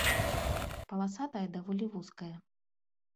Паласа тая даволі вузкая.